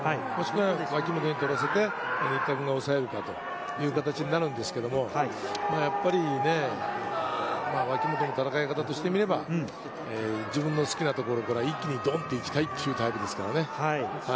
脇本に取らせて新田君がおさえるという形になるんですけど、やっぱり、脇本の戦い方としてみれば、自分の好きな所から一気にドンといきたいっていうタイプですからね。